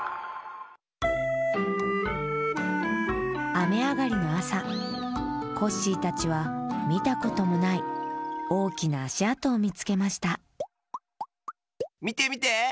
あめあがりのあさコッシーたちはみたこともないおおきなあしあとをみつけましたみてみて！